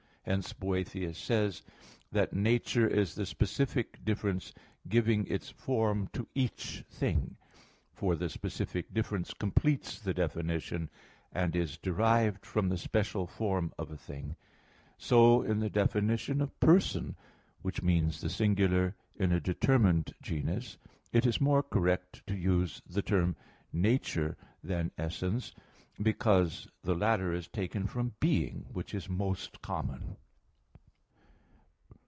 Hence Boethius says (De Duab. Nat.) that, "nature is the specific difference giving its form to each thing," for the specific difference completes the definition, and is derived from the special form of a thing. So in the definition of "person," which means the singular in a determined genus, it is more correct to use the term "nature" than "essence," because the latter is taken from being, which is most common.